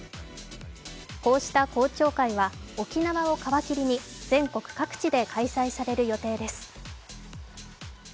こうした公聴会は沖縄を皮切りに、全国各地で開催される予定です。